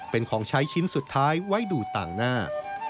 เป็นของใช้ชิ้นสุดท้ายไว้ดูต่างหน้า